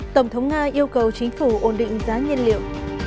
tổng thống nga yêu cầu chính phủ ổn định giá nhiên liệu